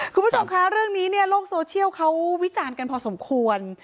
คุณผู้ชมคะเรื่องนี้เนี่ยโลกโซเชียลเขาวิจารณ์กันพอสมควร